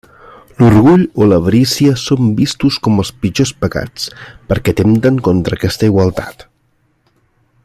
L'orgull o l'avarícia són vistos com els pitjors pecats perquè atempten contra aquesta igualtat.